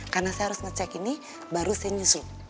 karena saya harus ngecek ini baru saya nyusul